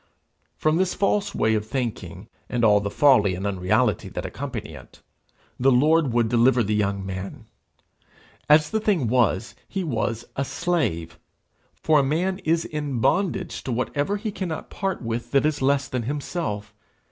From this false way of thinking, and all the folly and unreality that accompany it, the Lord would deliver the young man. As the thing was, he was a slave; for a man is in bondage to what ever he cannot part with that is less than himself.